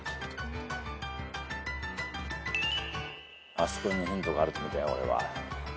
あそこにヒントがあると見たよ。